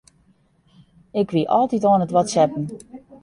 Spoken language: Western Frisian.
Ik wie altyd oan it whatsappen.